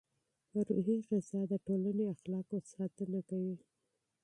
روحي غذا د ټولنې اخلاقو ساتنه کوي.